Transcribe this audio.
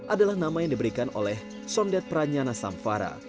adalah nama yang diberikan oleh somdet pranjana samphara